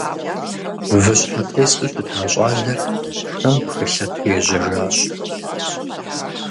Выщхьэтесу щыта щӀалэр пшэм пхылъэту ежьэжащ.